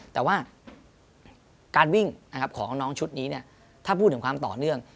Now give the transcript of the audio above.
แต่ว่าการวิ่งของน้องชุดนี้ถ้าพูดถึงความต่อเนื่อง